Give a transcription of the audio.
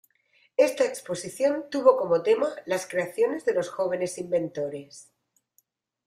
Esta exposición tuvo como tema "Las creaciones de los jóvenes inventores".